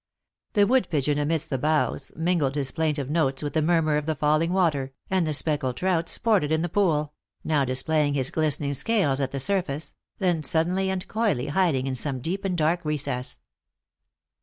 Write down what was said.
The wood pigeon amidst the boughs mingled his plaintive notes with the murmur of the falling water, and the speck led trout sported in the pool now displaying his glistening scales at the surface, then suddenly and coyly hiding in some deep and dark recess.